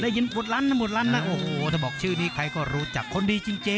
ได้ยินหมวดรันหมวดรันแล้วโอ้โหถ้าบอกชื่อนี้ใครก็รู้จักคนดีจริง